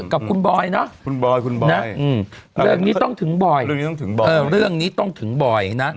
กับคุณบอยนะเรื่องนี้ต้องถึงบอย